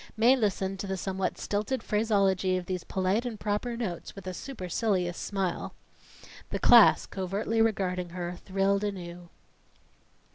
Mae listened to the somewhat stilted phraseology of these polite and proper notes with a supercilious smile. The class, covertly regarding her, thrilled anew.